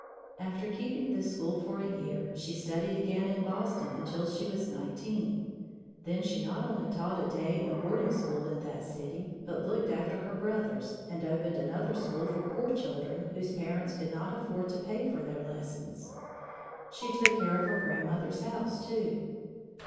After keeping this school for a year, she studied again in Boston until she was nineteen. Then she not only taught a day and boarding school in that city, but looked after her brothers and opened another school for poor children whose parents could not afford to pay for their lessons. She took care of her grandmother's house, too.